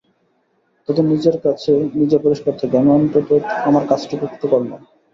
তাতে নিজের কাছে নিজে পরিষ্কার থাকি, আমি অন্তত আমার কাজটুকু তো করলাম।